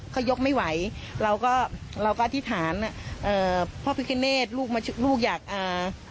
ก็หยกไม่ไหวเราก็เราก็อธิษฐานนะปราภิกษ์เงสลูกมาลูกอยากอ่า